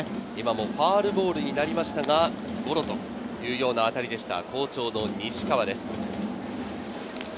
今もファウルボールになりましたが、ゴロというような当たりでした。